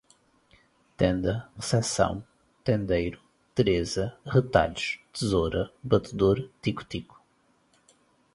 tenda, receptação, tendeiro, teresa, retalhos, tesoura, batedor, tico-tico